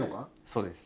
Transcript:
そうです。